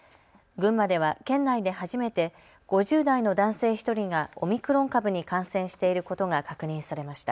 群馬では県内で初めて５０代の男性１人がオミクロン株に感染していることが確認されました。